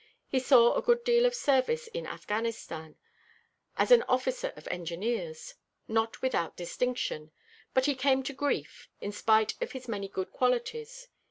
He saw a good deal of service in Afghanistan, as an officer of Engineers, not without distinction: but he came to grief, in spite of his many good qualities.